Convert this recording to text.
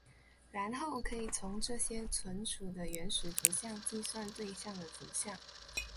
然后可以从这些存储的原始图像计算对象的图像。